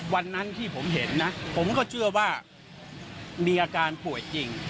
วันนั้นที่ผมเห็นนะผมก็เชื่อว่ามีอาการป่วยจริง